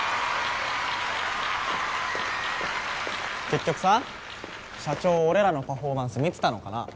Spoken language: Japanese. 結局さ社長俺らのパフォーマンス見てたのかな？